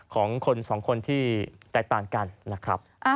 ของคนสองคนที่แตกต่างกันนะครับ